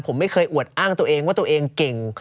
ผมไม่เคยอวดอ้างตัวเองว่าตัวเองเก่ง